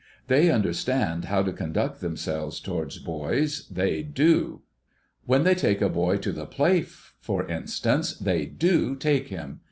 They understand how to conduct themselves towards boys, ihcy do. When they take a boy to the play, for instance, they do take him.